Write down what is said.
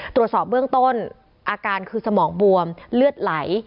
ตรวจสอบเบื้องต้นอาการคือสมองบวมเลือดไหล